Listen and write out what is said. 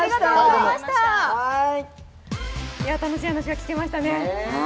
楽しいお話が聞けましたね。